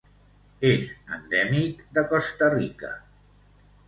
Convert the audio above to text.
És endèmic de Costa Rica.